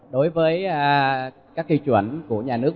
đối với các quy chuẩn của nhà nước